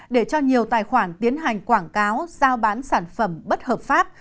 để cho nhiều tài khoản tiến hành quảng cáo giao bán sản phẩm bất hợp pháp